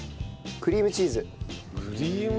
クリームチーズが入る。